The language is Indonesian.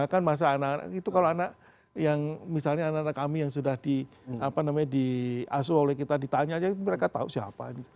kan masa anak anak itu kalau anak yang misalnya anak anak kami yang sudah diasuh oleh kita ditanya aja mereka tahu siapa